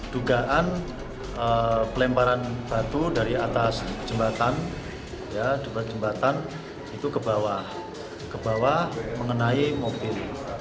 dugaan pelemparan batu dari atas jembatan ke bawah mengenai mobil